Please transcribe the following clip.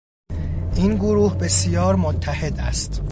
این گروه بسیار متحد است.